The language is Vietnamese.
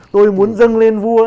tôi muốn dâng lên vua